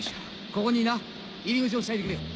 ここにいな入り口をふさいでくるよ。